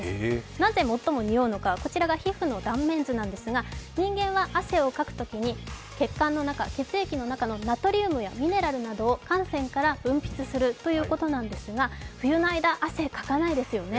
なぜ、最も臭うのか、こちらが皮膚の断面図なんですが、人間は汗をかくときに血管の中、血液の中のナトリウムやミネラルなどを汗腺から分泌するということなんですが、冬の間、汗、かかないですよね。